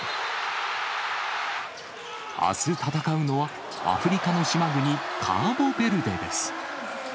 あす戦うのは、アフリカの島国、カーボベルデです。